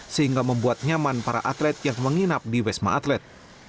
sehingga membuat nyaman para atlet yang menginap di wisma atlet